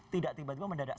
tidak tiba tiba mendadak